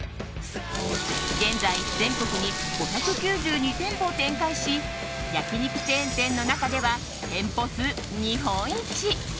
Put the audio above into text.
現在、全国に５９２店舗を展開し焼き肉チェーン店の中では店舗数日本一。